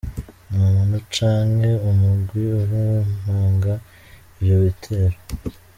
Nta muntu canke umugwi uremanga ivyo bitero.